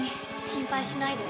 心配しないで。